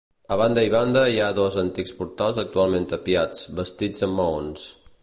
A banda i banda hi ha dos antics portals actualment tapiats, bastits en maons.